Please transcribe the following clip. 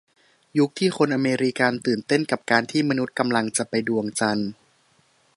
ยุคที่คนอเมริกาตื่นเต้นกับการที่มนุษย์กำลังจะไปดวงจันทร์